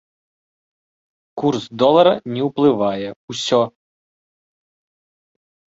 Курс долара не ўплывае, усё!